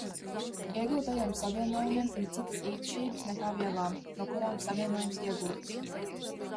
Iegūtajiem savienojumiem ir citas īpašības nekā vielām, no kurām savienojums iegūts.